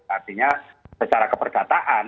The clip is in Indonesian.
artinya secara keperdataan